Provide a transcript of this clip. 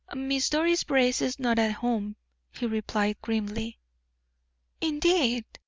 "Miss Doris Brace is not at home," he replied, grimly. "Indeed!"